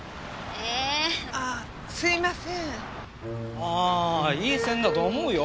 ああいい線だと思うよ。